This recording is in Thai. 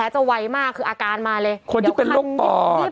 แล้วเขาอาจจะไม่ได้อยู่ในอารมณ์ที่อยากจะหัวเราะด้วยอย่างเขาถูกหมากกัดไปอย่างเงี้ย